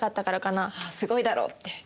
「すごいだろ」って。